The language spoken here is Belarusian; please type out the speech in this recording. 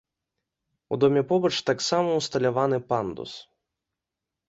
У доме побач таксама ўсталяваны пандус.